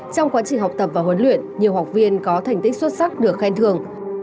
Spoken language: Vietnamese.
trong quá trình học tập và huấn luyện nhiều học viên có thành tích xuất sắc được khen thường